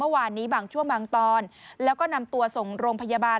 เมื่อวานนี้บางช่วงบางตอนแล้วก็นำตัวส่งโรงพยาบาล